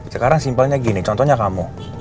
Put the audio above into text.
sekarang simpelnya gini contohnya kamu